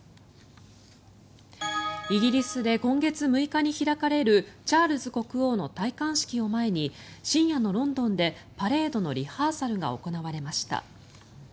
イギリスで今月６日に開かれるチャールズ国王の戴冠式を前に深夜のロンドンでパレードのリハーサルが行われました。